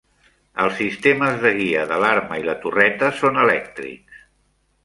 Els sistemes de guia de l'arma i la torreta són elèctrics.